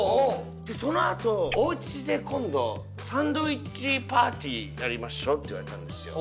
そのあと「お家で今度サンドイッチパーティーやりましょう！」って言われたんですよ。